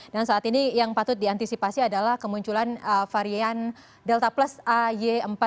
dan saat ini yang patut diantisipasi adalah kemunculan varian delta plus ay empat dua